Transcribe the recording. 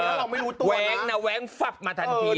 แล้วเราไม่รู้ตัวแว้งนะแว้งฟับมาทันที